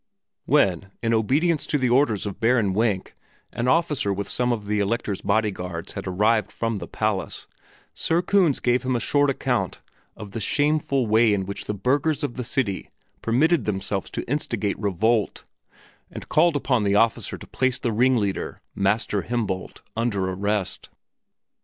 When, in obedience to the orders of Baron Wenk, an officer with some of the Elector's bodyguards had arrived from the palace, Sir Kunz gave him a short account of the shameful way in which the burghers of the city permitted themselves to instigate revolt, and called upon the officer to place the ringleader, Master Himboldt, under arrest.